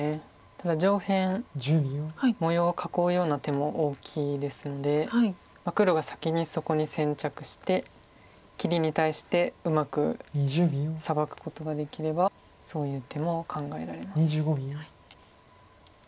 ただ上辺模様を囲うような手も大きいですので黒が先にそこに先着して切りに対してうまくサバくことができればそういう手も考えられます。